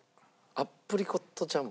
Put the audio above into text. アプリコットジャム？